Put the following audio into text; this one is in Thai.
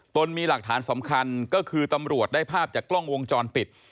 ตนมีหลักฐานสำคัญก็คือตำรวจได้ภาพจากกล้องวงจรปิด